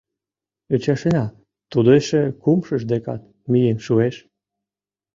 Ӱчашена, тудо эше кумшыж декат миен шуэш?